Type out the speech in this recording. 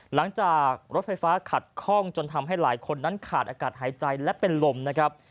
หลังจากรถไฟฟ้าขัดคล่องจนทำให้หลายคนนั้นขาดอากาศหายใจและเป็นลมนะครับ